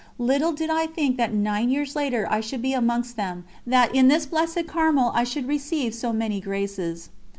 Little did I think that nine years later I should be amongst them, that in this blessed Carmel I should receive so many graces.